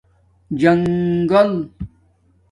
جݣگل